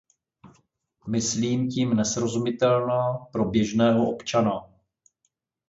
Myslím tím nesrozumitelná pro běžného občana.